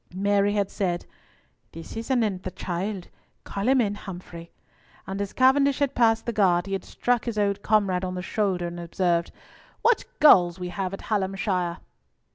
Mary had said, "This is anent the child. Call him in, Humfrey," and as Cavendish had passed the guard he had struck his old comrade on the shoulder and observed, "What gulls we have at Hallamshire."